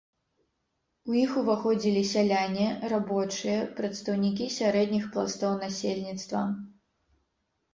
У іх уваходзілі сяляне, рабочыя, прадстаўнікі сярэдніх пластоў насельніцтва.